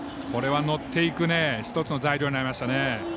これは乗っていく１つの材料になりました。